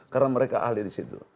karena mereka ahli di situ